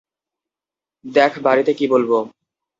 দেখ বাড়িতে কী বলব?